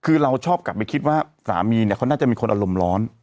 คือเราชอบกลับไปคิดว่าสามีเนี่ยเขาน่าจะมีคนอารมณ์ร้อน